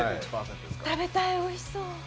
食べたい、おいしそう。